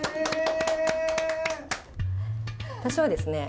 私はですね